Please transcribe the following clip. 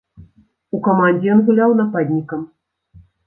У камандзе ён гуляў нападнікам.